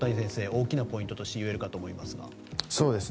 大きなポイントだといえるかと思いますが。